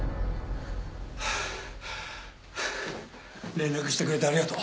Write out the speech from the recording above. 連絡してくれてありがとう。